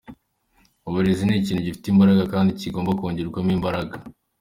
Uburezi ni ikintu gifite imbaraga kandi kigomba kongerwamo imbaraga.